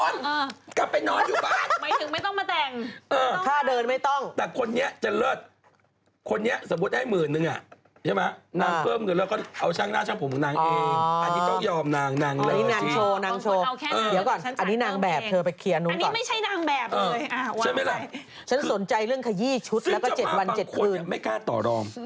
แล้วก็เจ็ดวันเจ็ดคืนซึ่งจะบอกบางคนไม่กล้าต่อลอง